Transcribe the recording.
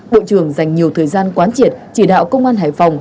bộ trưởng dành nhiều thời gian quán triệt chỉ đạo công an hải phòng